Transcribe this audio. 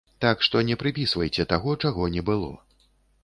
Так што не прыпісвайце таго, чаго не было.